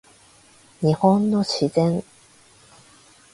日本の自然